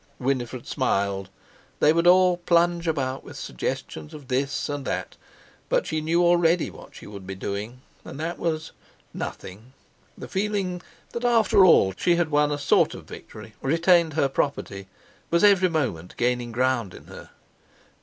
Winifred smiled. They would all plunge about with suggestions of this and that, but she knew already what she would be doing, and that was—nothing. The feeling that, after all, she had won a sort of victory, retained her property, was every moment gaining ground in her.